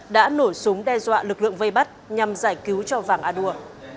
đã nổ súng đe dọa lực lượng vây bắt nhằm giải cứu cho vàng a đua